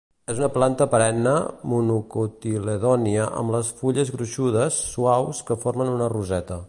És una planta perenne monocotiledònia amb les fulles gruixudes, suaus que formen una roseta.